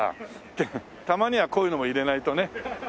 ってたまにはこういうのも入れないとね。